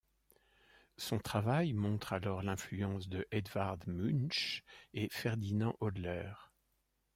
Son travail montre alors l'influence de Edvard Munch et Ferdinand Hodler.